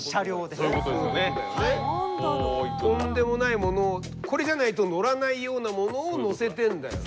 とんでもないものをこれじゃないと載らないようなものを載せてんだよね。